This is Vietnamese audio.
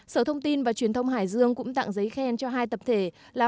sở thông tin và truyền thông hải dương cũng tặng giấy khen cho hai tập thể là